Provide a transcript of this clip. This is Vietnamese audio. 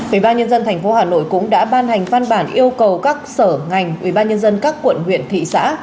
ubnd tp hà nội cũng đã ban hành văn bản yêu cầu các sở ngành ubnd các quận huyện thị xã